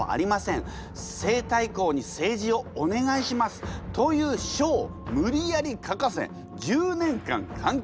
西太后にせいじをお願いします』という書をむりやり書かせ１０年間監禁。